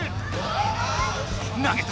投げた！